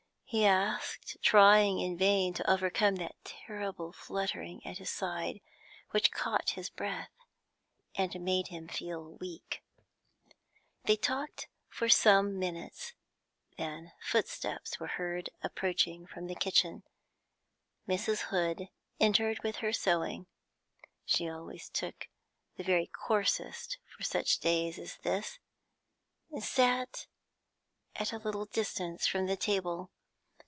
he asked, trying in vain to overcome that terrible fluttering at his side which caught his breath and made him feel weak. They talked for some minutes, then footsteps were heard approaching from the kitchen. Mrs. Hood entered with her sewing she always took the very coarsest for such days as this and sat at a little distance from the table.